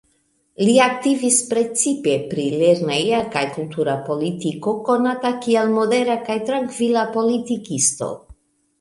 Li aktivis precipe pri lerneja kaj kultura politiko, konata kiel modera kaj trankvila politikisto.